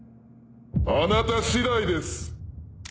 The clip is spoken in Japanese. あなた次第です！